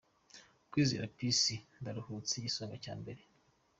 Kwizera Peace Ndaruhutse : Igisonga cya Mbere